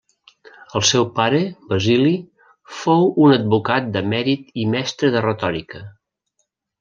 El seu pare, Basili, fou un advocat de mèrit i mestre de retòrica.